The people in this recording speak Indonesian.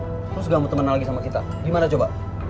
terus gamut temenan lagi sama kita gimana coba